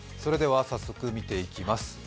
早速見ていきます。